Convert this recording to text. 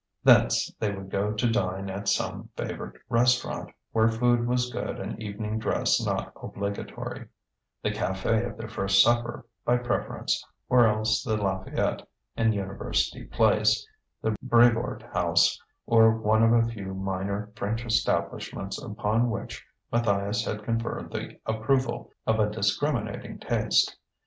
Thence they would go to dine at some favourite restaurant, where food was good and evening dress not obligatory the café of their first supper by preference, or else the Lafayette, in University Place, the Brevoort House, or one of a few minor French establishments upon which Matthias had conferred the approval of a discriminating taste.